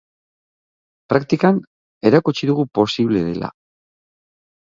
Praktikan erakutsi dugu posible dela.